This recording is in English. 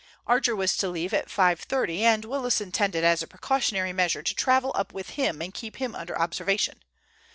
Archer was to leave at 5.3, and Willis intended as a precautionary measure to travel up with him and keep him under observation.